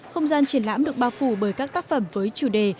không gian triển lãm được bao phủ bởi các tác phẩm với chủ đề